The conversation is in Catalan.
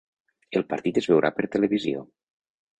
El partit es veurà per televisió.